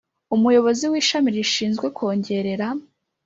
Umuyobozi w Ishami rishinzwe kongerera